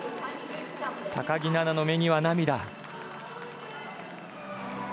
高木菜那の目には涙。